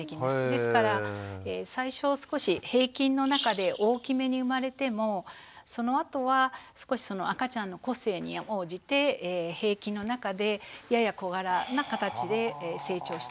ですから最初少し平均の中で大きめに産まれてもそのあとは少しその赤ちゃんの個性に応じて平均の中でやや小柄なかたちで成長していくと。